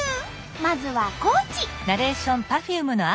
まずは高知！